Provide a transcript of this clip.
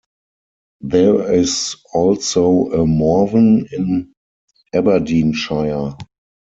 There is also a Morven in Aberdeenshire.